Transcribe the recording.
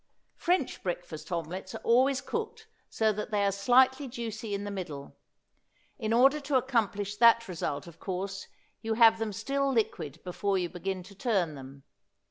French breakfast omelettes are always cooked so that they are slightly juicy in the middle; in order to accomplish that result of course you have them still liquid before you begin to turn them.